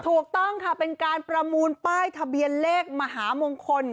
ถูกต้องค่ะเป็นการประมูลป้ายทะเบียนเลขมหามงคล